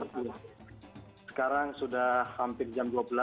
sekarang sudah hampir jam dua belas